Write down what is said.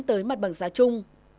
tới mặt bằng giá chung